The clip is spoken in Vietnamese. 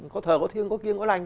có thờ có thiêng có kiêng có lành